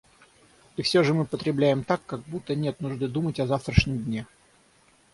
И все же мы потребляем так, как будто нет нужды думать о завтрашнем дне.